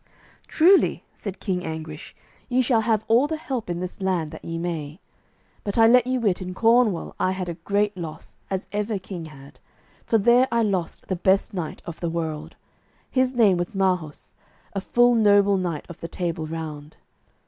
"Truly," said King Anguish, "ye shall have all the help in this land that ye may. But I let you wit in Cornwall I had a great loss as ever king had, for there I lost the best knight of the world. His name was Marhaus, a full noble knight of the Table Round."